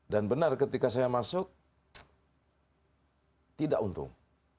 dan benar ketika saya masuk tidak untung